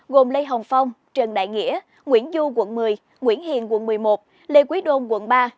gồm lê hồng phong trần đại nghĩa nguyễn du quận một mươi nguyễn hiền quận một mươi một lê quý đôn quận ba